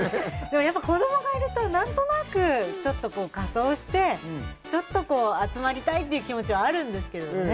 子供がいると何となくちょっと仮装して集まりたいっていう気持ちはあるんですけどね。